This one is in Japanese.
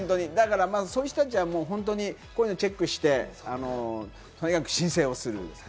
そういう人たちはこういうのチェックして、とにかく申請する。